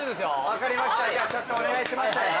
分かりましたじゃあちょっとお願いしまして。